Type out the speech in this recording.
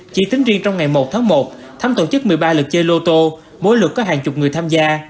chỉ tính riêng trong ngày một tháng một thấm tổ chức một mươi ba lượt chơi lô tô mỗi lượt có hàng chục người tham gia